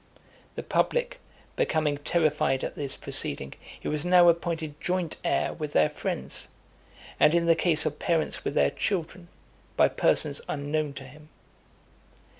The public becoming terrified at this proceeding, he was now appointed joint heir with their friends, and in the case of parents with their children, by persons unknown to him.